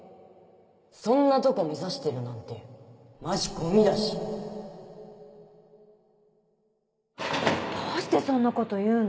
そんなとこ目指してるなんてマジゴミだしどうしてそんなこと言うの。